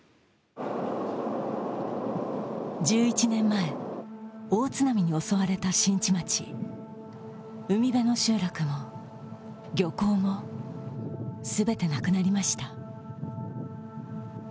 １１年前、大津波に襲われた新地町海辺の集落も、漁港も、全てなくなりました。